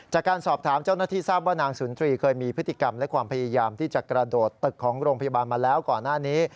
จากการสอบถามเจ้าหน้าที่ทราบว่านางสุนทรีย์เคยมีพฤติกรรมและความพยายามที่จะกระโดดตึกของโรงพยาบาลมาแล้วก่อนหน้านี้